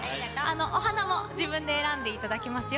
お花も自分で選んでいただけますよ。